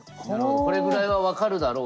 これぐらいは分かるだろう